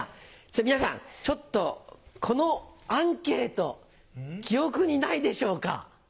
皆さんちょっとこのアンケート記憶にないでしょうか？